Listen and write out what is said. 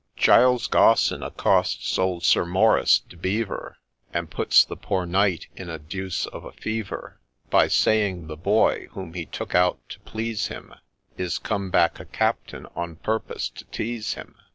Giles Gaussen accosts old Sir Maurice de Beevor, And puts the poor Knight in a deuce of a fever, By saying the boy, whom he took out to please him, Is come back a Captain on purpose to tease him.